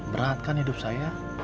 berat kan hidup saya